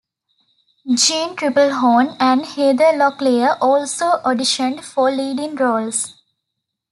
Jeanne Tripplehorn and Heather Locklear also auditioned for leading roles.